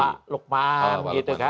pak lukman ya